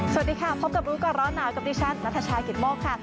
สวัสดีครับพบกับรู้กันร้อนหนาวกับที่ช่างนัทชายกิจโม่กค่ะ